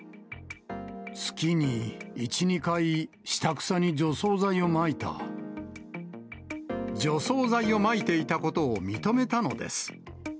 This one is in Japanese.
月に１、２回、下草に除草剤除草剤をまいていたことを認めたのです。